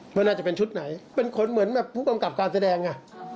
ไม่น่าจะเป็นชุดไหนเป็นคนเหมือนแบบผู้กำกับการแสดงอ่ะ